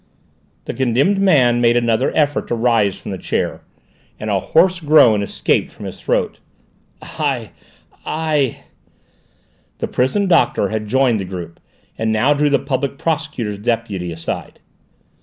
The condemned man made another effort to rise from the chair, and a hoarse groan escaped from his throat. "I I " The prison doctor had joined the group, and now drew the Public Prosecutor's deputy aside.